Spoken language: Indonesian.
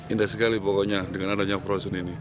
indah sekali pokoknya dengan adanya frozen ini